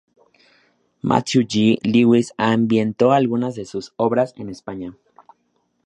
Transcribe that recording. Matthew G. Lewis ambientó algunas de sus obras en España.